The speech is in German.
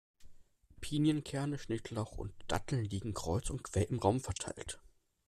Pinienkerne, Schnittlauch und Datteln liegen kreuz und quer im Raum verteilt.